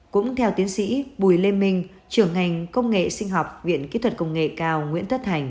cũng theo tiến sĩ bùi lê minh trường ngành công nghệ sinh học viện kỹ thuật công nghệ cao nguyễn tất thành